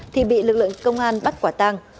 thì bị lực lượng công an bắt quả tang